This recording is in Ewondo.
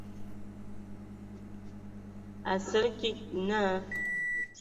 Asǝlǝg kig naa.